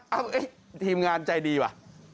เอ้าทีมงานใจดีวะ